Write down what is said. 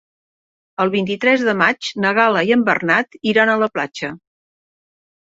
El vint-i-tres de maig na Gal·la i en Bernat iran a la platja.